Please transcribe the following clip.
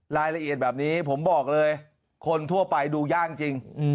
รายละเอียดแบบนี้ผมบอกเลยคนทั่วไปดูยากจริง